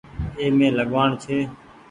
اي مين لگوآڻ ڇي۔